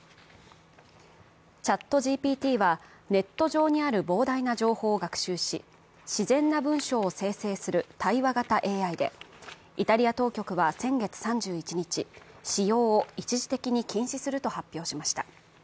チャットＧＰＴは、ネット上にある膨大な情報を学習し自然な文章を生成する対話型ＡＩでイタリア当局は、先月３１日、使用を一時的に禁止すると発表しました。